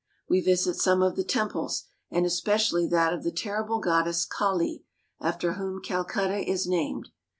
We visit some of the temples, and especially that of the terrible goddess Kali after whom Calcutta is named.